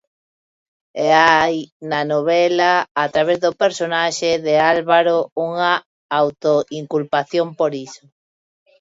E hai na novela, a través do personaxe de Álvaro, unha autoinculpación por iso.